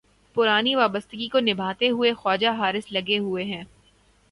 پرانی وابستگی کو نبھاتے ہوئے خواجہ حارث لگے ہوئے ہیں۔